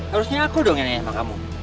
harusnya aku dong yang nanya sama kamu